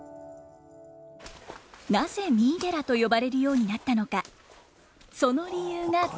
なぜ三井寺と呼ばれるようになったのかその理由がこちらに。